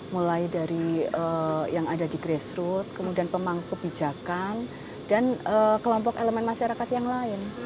mulai dari yang ada di grassroot kemudian pemangku bijakan dan kelompok elemen masyarakat yang lain